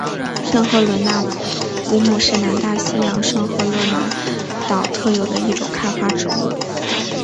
圣赫伦那乌木是南大西洋圣赫勒拿岛特有的一种开花植物。